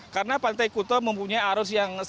karena pantai kuta mempunyai arus yang sangat deras